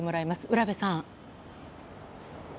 占部さん。